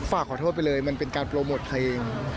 ฝากขอโทษไปเลยมันเป็นการโปรโมทเพลง